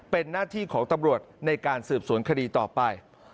เป็นหน้าที่ของตำรวจในการสืบสวนคดีต่อไป